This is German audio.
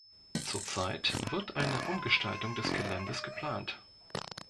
Zurzeit wird eine Umgestaltung des Geländes geplant.